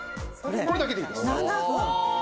これだけでいいです。